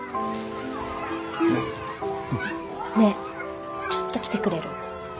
ねえちょっと来てくれる？